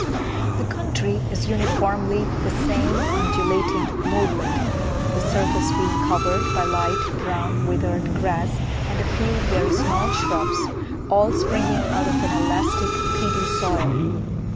The country is uniformly the same undulating moorland; the surface being covered by light brown withered grass and a few very small shrubs, all springing out of an elastic peaty soil.